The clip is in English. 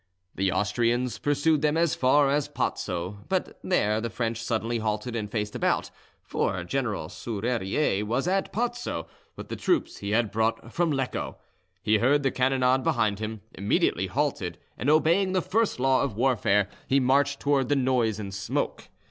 The Austrians pursued them as far as Pozzo, but there the French suddenly halted and faced about, for General Serrurier was at Pozzo, with the troops he had brought from Lecco. He heard the cannonade behind him, immediately halted, and, obeying the first law of warfare, he marched towards the noise and smoke.